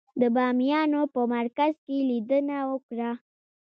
د بامیانو په مرکز کې لیدنه وکړه.